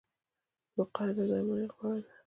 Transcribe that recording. وقایه له درملنې غوره ده